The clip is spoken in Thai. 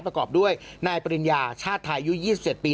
ประกอบด้วยนายปริญญาชาติไทยอายุ๒๗ปี